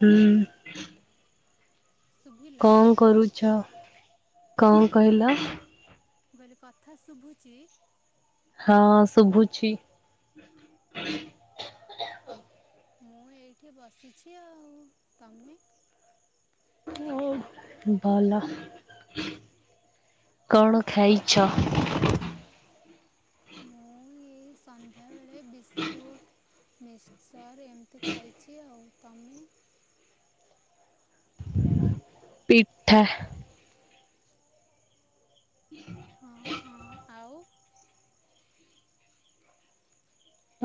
ହୁଁ। କଣ କରୁଚ? କଣ କହିଲ? ମୁଁ କହିଲି କଥା ଶୁଭୁଛି? ହା ଶୁଭୁଛି। ମୁଁ ଏଇଠି ବସିଚି ଆଉ ତମେ? ଓ ଭଲ କଣ ଖାଇଛ? ମୁଁ ଏଇ ସନ୍ଧ୍ୟା ବେଳେ ଏ ବିସ୍କୁଟ୍ ମିସ୍ ସାର୍ ଏମିତି ଖାଇଛି ଆଉ। ତମେ? ପିଠା। ହଁ [inaudible] ହଁ ହଁ ଆଉ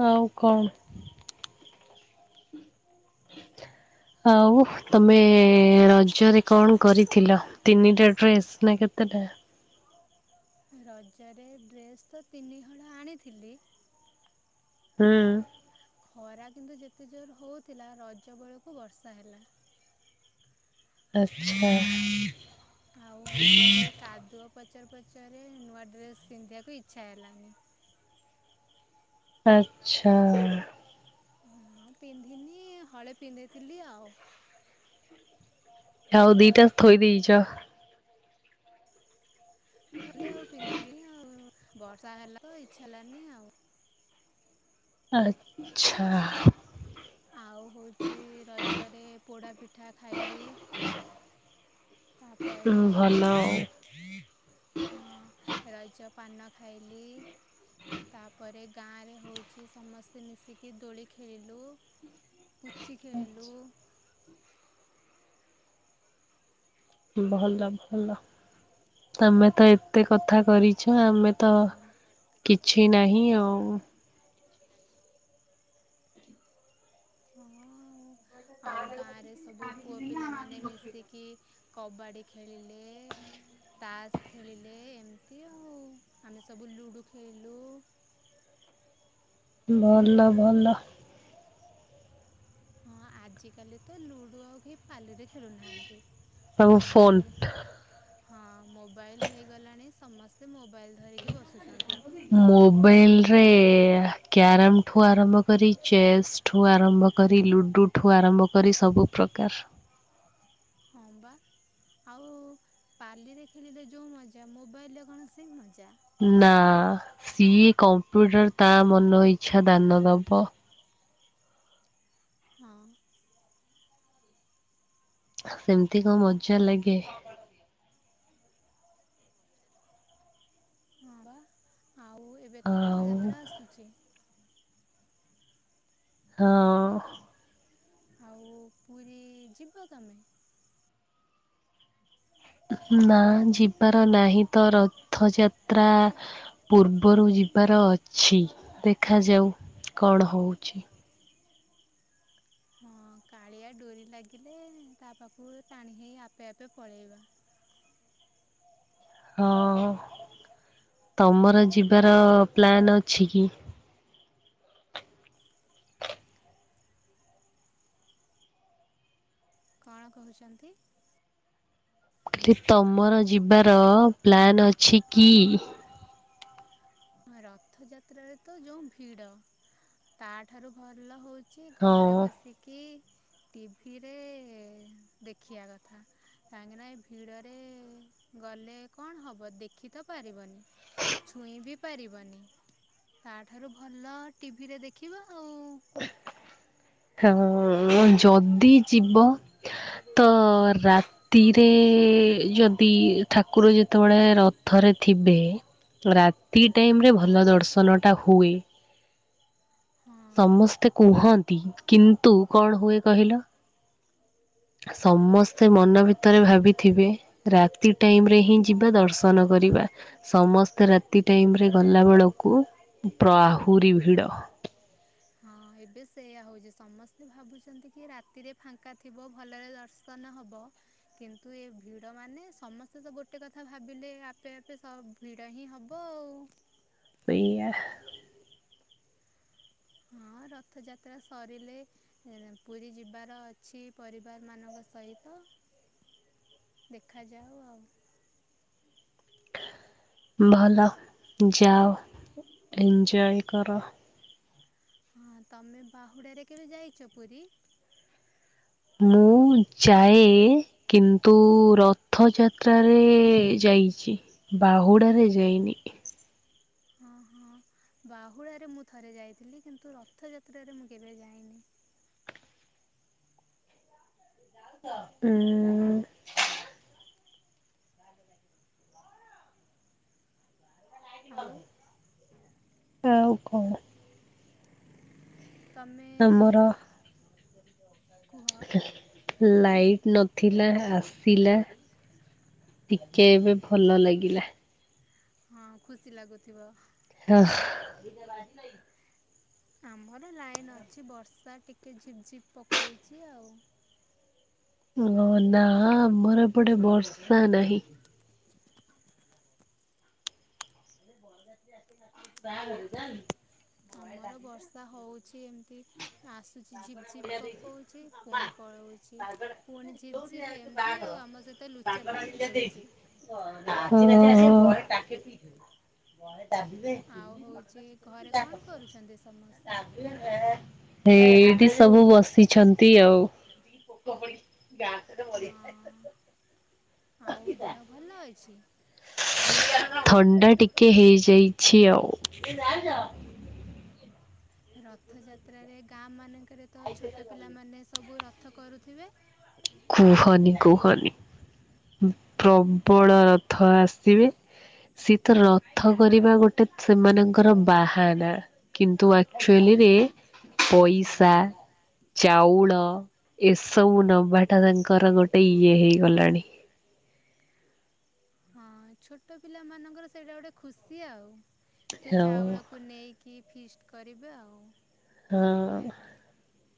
ଆଉ କଣ? ଆଉ ତମେ ରଜରେ କଣ କରିଥିଲ ତିନିଟା ଡ୍ରେସ୍ ନା କେତେଟା? ରଜରେ ଡ୍ରେସ୍ ତ ତିନିହଳ ଆଣିଥିଲି ହୁଁ। ଖରା କିନ୍ତୁ ଯେତେ ଜୋର ହଉଥିଲା ରଜ ବେଳକୁ ବର୍ଷା ହେଲା। ଆଚ୍ଛା। ଆଉ ହଉଛି ଏ କାଦୁଅ ପଚ ପଚର ପଚରରେ ନୂଆ ଡ୍ରେସ ପିନ୍ଧିବାକୁ ଇଚ୍ଛା ହେଲାନି। ଆଚ୍ଛା ଆଚ୍ଛା। ନା ପିନ୍ଧିନି ହଳେ ପିନ୍ଧିଥିଲି ଆଉ। ଆଉ ଦିଇଟା ଥୋଇ ଦେଇଚ? ଗଲି ଆଉ ପିନ୍ଧିଲି ହିଁ ଆଉ। ବର୍ଷା ହେଲା ତ ଇଚ୍ଛା ହେଲାନି ଆଉ। ଆଚ୍ଛା। ଆଉ ହଉଛି ରଜରେ ପୋଡ଼ା ପିଠା ଖାଇଲି। ତାପରେ ହଁ। ରଜ ପାନ ଖାଇଲି ତାପରେ ଗାଁରେ ହଉଛି ସମସ୍ତେ ମିଶିକି ଦୋଳି ଖେଳିଲୁ ପୁଚୀ ଖେଳିଲୁ ଭଲ ଭଲ ତମେ ତ ଏତେ କଥା କରି ଛ ଆମେ ତ କିଛି ନାହିଁ ଆଉ। ଓ ହଁ ଆଉ। ଆଉ ଗାଁ ରେ ସବୁ ପୁଅ ପିଲାମାନେ ମିଶିକି କବାଡି ଖେଳିଲେ ତାସ୍ ଖେଳିଲେ ଏମିତି ଆଉ ଆମେ ସବୁ ଲୁଡୁ ଖେଳିଲୁ ଭଲ ଭଲ। ହଁ ଆଜିିକାଲି ତ ଲୁଡୁ ଆଉ କେହି ପାଲିରେ ଖେଳୁନାହାଁନ୍ତି ମୋବାଇଲ ଫୋନ୍ ହଁ ମୋବାଇଲ ହେଇଗଲାଣି ସମସ୍ତେ ମୋ ମୋବାଇଲ ରେ କ୍ୟାରମ ଠୁ ଆରମ୍ଭ କରି ଚେସ୍ ଠୁ ଆରମ୍ଭ କରି ଲୁଡୁ ଠୁ ଆରମ୍ଭ କରି ସବୁ ପ୍ରକାର ହଁ ବା ଆଉ ପାଲିରେ ଖେଳିଲେ ଯୋଉ ମଜା ମୋବାଇଲରେ କଣ ସେଇ ମଜା। ନା ସିଏ କମ୍ପ୍ୟୁଟର ତା ମନ ଇଚ୍ଛା ଦାନ ଦବ ହଁ। ସେମିତି କଣ ମଜା ଲାଗେ। [inaudible] ହଁ ବା। ଆଉ ଏବେ ତ ରଥଯାତ୍ରା ଆସୁଛି। ହଁ। ଆଉ ପୁରୀ ଯିବ ତମେ? ନା ଯିବାର ନାହିଁ ତ ରଥଯାତ୍ରା ପୂର୍ବରୁ ଯିବାର ଅଛି, ଦେଖାଯାଉ କଣ ହଉଛି। ହଁ କାଳିଆ ଡୋରି ଲାଗିଲେ ତା ପାଖକୁ ଟାଣି ହେଇ ଆପେ ଆପେ ପଳେଇବା। [inaudible] ହଁ ତମର ଯିବାର ପ୍ଲାନ୍ ଅଛି କି? କଣ କହୁଛନ୍ତି? ହେଲେ ତମର ଯିବାର ପ୍ଲାନ ଅଛି କି? ରଥ ଯାତ୍ରାରେ ତ ଯୋଉ ଭିଡ। ତା ଠାରୁ ଭଲ ହଉ ଛି ଘରେ ବସିକି ଟିଭିରେ ଦେଖିବା କଥା କାହିଁକିନା ଏ ଭିଡ଼ରେ ଗଲେ କଣ ହବ ଦେଖି ତ ପାରିବନି। ଛୁଇଁ ବି ପାରିବନି ତାଠାରୁ ଭଲ ଟିଭିରେ ଦେଖିବା ଆଉ। [inaudible] ହଁ ଯଦି ଯିବ ତ ରାତିରେ ଯଦି ଠାକୁର ଯେତେବେଳେ ରଥରେ ଥିବେ ରାତି ଟାଇମ ରେ ଭଲ ଦର୍ଶନ ଟା ହୁଏ। ସମସ୍ତେ କୁହ ନ୍ତି କିନ୍ତୁ କଣ ହୁଏ କହିଲ ସମସ୍ତେ ମନ ଭିତରେ ଭାବିଥିବେ ରାତି ଟାଇମ ରେ ହିଁ ଯିବା ଦର୍ଶନ କରିବା। ସମସ୍ତେ ରାତି ଟାଇମ ରେ ଗଲା ବେଳକୁ ପ୍ରହୁରି ଭିଡ। ହଁ ଏବେ ସେଇୟା ହଉଛି ସମସ୍ତେ ଭାବୁଛନ୍ତି କି ରାତିରେ ହଁ ହଁ ଏବେ ସେଇଆ ହଉଛି ସମସ୍ତେ ଭାବୁଛନ୍ତି କି ରାତିରେ ଫାଙ୍କା ଥିବ ଭଲରେ ଦର୍ଶନ ହବ। କିନ୍ତୁ ଏ ଭିଡ ମାନେ ସମସ୍ତେ ତ ଗୋଟେ କଥା ଭାବିଲେ ଆପେ ଆପେ ସ ଭିଡ ହିଁ ହବ ଆଉ। ପେଇ ଆ। ହଁ ରଥଯାତ୍ରା ସରିଲେ ପୁରୀ ଯିବାର ଅଛି। ପରିବାର ମାନଙ୍କ ସହିତ [inaudible] ଦେଖାଯାଉ ଆଉ। [inaudible] ଭଲ ଯାଅ ଏଞଜୟ କର। ହଁ ତମେ ବାହୁଡାରେ କେବେ ଯାଇଛ ପୁରୀ? ମୁଁ ଯାଏ କିନ୍ତୁ ରଥଯାତ୍ରାରେ ଯାଇଛି ବାହୁଡାରେ ଯାଇନି। ହଁ ହଁ ବାହୁଳାରେ ମୁଁ ଥରେ ଯାଇଥିଲି। କିନ୍ତୁ ରଥଯାତ୍ରାରେ ମୁଁ କେବେ ଯାଇନି। [inaudible] ଉଁ ହୁଁ। [inaudible] ଆଉ କଣ ତମର [inaudible] ଲା ଏଇ ନଥିଲା ଆସିଲା [inaudible] ଟିକେ ଏବେ ଭଲ ଲାଗିଲା। ହଁ ଖୁସି ଲାଗୁଥିବ। [inaudible] ଆମର ଲାଇନ୍ ଅଛି। ବର୍ଷା ଟିକେ ଝିପ୍ ଝିପ୍ ପକଉଛି ଆଉ। ଓ ନା ଆମର ଏପଟେ ବର୍ଷା ନାହିଁ। [inaudible] ଆମର ବର୍ଷା ହଉଛି ଏମତି ଆସୁଛି ଝିପ୍ ଝିପ ପକଉଛି ପୁଣି ପଳଉଛି। ପୁଣି ଝିପ୍ ଝିପ୍ ଏମିତି ଆଉ ଆମ ସହିତ ଲୁଚା ଲୁଚି ଖେଳୁଛି। [inaudible] ହଁ ହଁ। [inaudible] ଆଉ ହଉଛି ଘରେ କଣ କରୁଛନ୍ତି ସମସ୍ତେ? ଏଇଠି ସେ ସବୁ ବସିଛନ୍ତି ଆଉ। [inaudible] [unintelligible] ଆଉ ଦେହ ଭଲ ଅଛି? ଥଣ୍ଡା ଟିକେ ହେଇଯାଇଛି ଆଉ। ରଥଯାତ୍ରରେ ଗାଁ ମାନେଙ୍କ ରେ ତ ଛୋଟ ପିଲାମାନେ ସେ ସବୁ ରଥ କରୁଥିବେ। କୁହନି କୁହନି ପ୍ରବଳ ରଥ ଆସିବେ ସେ ତ ରଥ କରିବା ଗୋଟେ ସେମାନଙ୍କର ବାହାନା କିନ୍ତୁ ଆକଚୁଆଲିରେ ପଇସା, ଚାଉଳ ଏସବୁ ଡ଼ବା ତାଦାଙ୍କର ଗୋଟେ ଇଏ ହେଇଗଲାଣି। ହଁ ଛୋଟ ପିଲାମାନଙ୍କର ସେଇଟା ଗୋଟେ ଖୁସି ଆଉ। ସେ ଚାଉଳକୁ ନେଇକି ଫିଷ୍ଟ କରିବେ ଆଉ। ହଁ।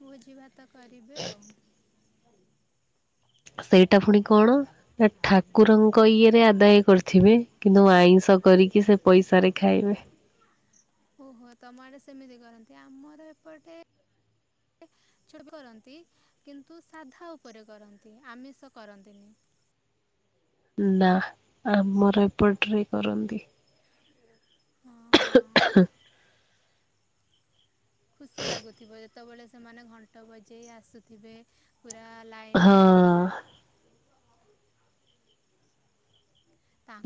ବୁଝିବାତ୍। ତ କରିବେ ଆଉ ସେଇଟା ଫୁଣି କଣ ନା ଠାକୁରଙ୍କ ଇଏରେ ଆଦାୟ କରିଥିବେ କିନ୍ତୁ ଆଇଁଷ କରିକି ସେ ପଇସାରେ ଖାଇବେ। ଓହୋ ତମ ଆଡେ ସେମିତି କରନ୍ତି ଆମର ଏପଟେ ଛ କରନ୍ତି କିନ୍ତୁ ସାଧା ଓପରେ କରନ୍ତି ଆମିଷ କରନ୍ତିନି। ନା ଆମର ଏପଟରେ କରନ୍ତି। ଖୁସି ଲାଗୁଥିବ ଯେତେବେଳେ, ସେମାନେ ଘଣ୍ଟ ବଜେଇ ଆସୁଥିବେ। ପୁରା ଲାଇନ୍ କରିକିନା।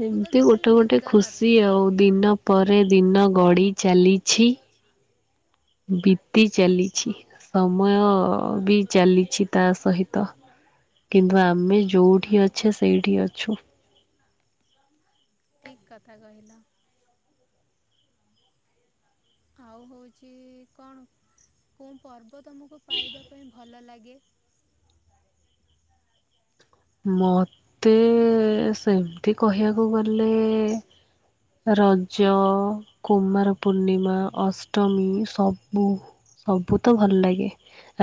ଏମ୍ତି ଗୋଟେ ଗୋଟେ ଖୁସି ଆଉ ଦିନ ପରେ ଦିନ ଗଡ଼ି ଚାଲିଛି, ବିତି ଚାଲିଛି, ସମୟ ବି ଚାଲିଛି ତା ସହିତ କିନ୍ତୁ ଆମେ ଯୋଉଠି ଅଛେ ସେଇଠି ଅଛୁ। ଠିକ୍ କଥା କହିଲ। ଆଉ ହୋଉଛି କଣ କୋଉଁ ପର୍ବ ତମକୁ ପାଳିବା ପାଇଁ ଭଲ ଲାଗେ? ମତେ ସେମ୍ ତି କହିବାକୁ ଗଲେ ରଜ, କୁମାର ପୂର୍ଣ୍ଣିମା, ଅଷ୍ଟମୀ ସବୁ, ସବୁ ତ ଭଲ ଲାଗେ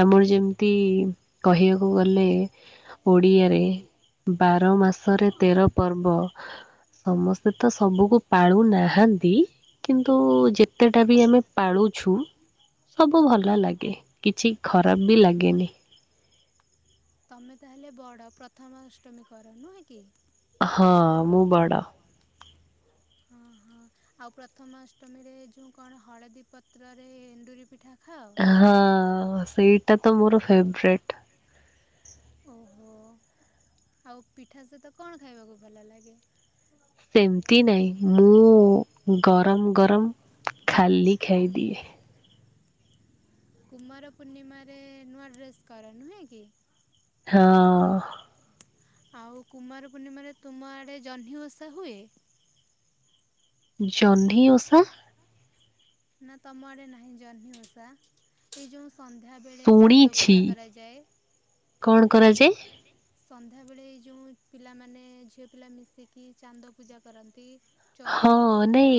ଆମର ଯେମିତି କହିବାକୁ ଗଲେ ଓଡିଆରେ ବାର ମାସରେ ତେର ପର୍ବ ସମସ୍ତେ ତ ସବୁକୁ ପାଳୁ ନାହାନ୍ତି, କିନ୍ତୁ ଯେତେଟା ବି ଆମେ ପାଳୁଛୁ ସବୁ ଭଲ ଲାଗେ କିଛି ଖରାପ ବି ଲାଗେନି। ତମେ ତାହେଲେ ବଡ଼ ପ୍ରଥମା ଅଷ୍ଟମୀ କର ନୁହେଁ କି? ହଁ ମୁଁ ବଡ଼। ହଁ, ହଁ ଆଉ ପ୍ରଥମ ଅଷ୍ଟମୀରେ ଯୋଉ କଣ ହଳଦୀ ପତ୍ରରେ ଏଣ୍ଡୁରି ପିଠା ଖା ହଁ ସେଇଟା ତ ମୋର ଫେବରେଟ। ହଁ ଆଉ ପିଠା ସହିତ କଣ ଖାଇବାକୁ ଭଲ ଲାଗେ? ଏମିତି ନାହିଁ ମୁଁ ଗରମ୍ ଗରମ୍ ଖାଲି ଖାଇଦିଏ। କୁମାର ପୂର୍ଣ୍ଣିମାରେ ନୂଆ ଡ୍ରେସ୍ କର ନୁହେଁ କି? ହଁ। ଆଉ କୁମାର ପୂର୍ଣ୍ଣିମାରେ ତୁମ ଆଡ଼େ ଜହ୍ନିଓଷା ହୁଏ? ଜହ୍ନି ଓଷା। ନା ତମ ଆଡେ ନାହିଁ ଜହ୍ନି ଓଷା ଏଇ ଯୋଉଁ ସନ୍ଧ୍ୟା ବେଳେ ଚାନ୍ଦ ପୂଜା କରାଯାଏ। କଣ କରାଯାଏ। [unintelligible] ସନ୍ଧ୍ୟାବେଳେ ଯେଉଁ ପିଲାମାନେ ଝିଅ ପିଲା ମିଶିକି ଚାନ୍ଦ ପୂଜା କରନ୍ତି। ହଁ ନାଇ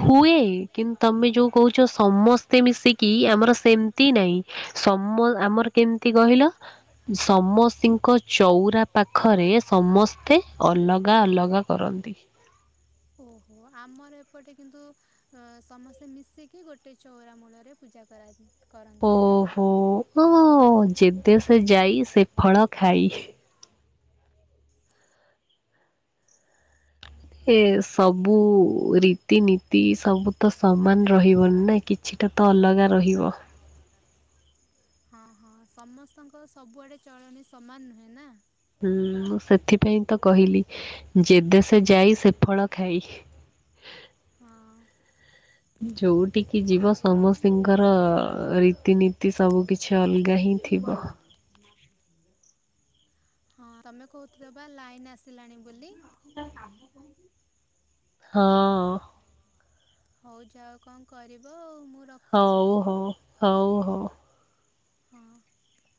ହୁଏ କିନ୍ ତମେ ଯୋଉ କହୁଛ ସମସ୍ତେ ମିଶିକି ଆମର ସେମ୍ ତି ନାଇଁ, ସମ ଆମର କେମ୍ ତି କହିଲ ସମସ୍ତିଙ୍କ ଚଉରା ପାଖରେ ସମସ୍ତେ ଅଲଗା ଅଲଗା କରନ୍ତି। ଓହୋ ଆମର ଏପଟେ କିନ୍ତୁ ଅ ସମସ୍ତେ ମିଶିକି ଗୋଟେ ଚଉରା ମୂଳରେ ପୂଜା କରାଯାଏ। ଓହୋ ହୁଁ ଯେଦେ ସେ ଯାଇ ସେ ଫଳ ଖାଇ। ଏ ସବୁ ରୀତିନୀତି ସବୁ ତ ସମାନ ରହିବନି ନା କିଛିଟା ତ ଅଲଗା ରହିବ। ହଁ ହଁ ସମସ୍ତଙ୍କର ସବୁଆଡେ ଚଳଣି ସମାନ ନୁହେଁ ନା। ହୁଁ ମୁଁ ସେଥିପାଇଁ ତ କହିଲି ଯେ ଦେସେ ଯାଇ ସେ ଫଳ ଖାଇ। ହଁ। ସମସ୍ତଙ୍କର ରୀତିନୀତି ସବୁ କିିଛି ଅଲଗା ହିଁ ଥିବ। ହଁ ତମେ କହୁଥିଲ ପା ଲାଇନ ଆସିଲାଣି ବୋଲି। [inaudible] କାମ କୁ ହଁ ଅ। ହଉ ଯାଅ କଣ କରିବ ଆଉ। ହଉ ହଉ। ହଉ ହଉ। ହଁ। [unintelligible]